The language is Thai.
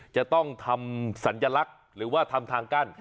จะต้องทำสัญลักษณ์หรือว่าทำทางกั้น